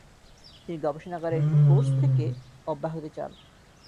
তিনি গবেষণাগারের কোর্স থেকে অব্যাহতি চান।